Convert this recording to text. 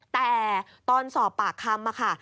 แต่ตอนสอบปากคำค่ะ